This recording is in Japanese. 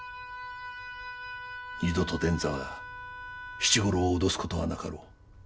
二度と伝左が七五郎を脅す事はなかろう。